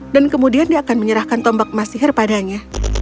dan kemudian dia akan menyerahkan tombak emas sihir padanya